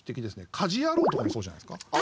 「家事ヤロウ！！！」とかもそうじゃないですか。